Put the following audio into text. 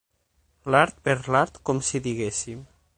L'art per l'art, com si diguéssim.